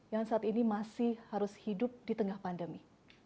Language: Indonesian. yang saat ini masih harus hidup di tengah pandemi